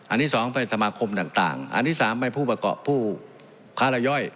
อันนี้สองไปสมาคมต่างต่างอันนี้สามไปผู้ประเกาะผู้คารย่อย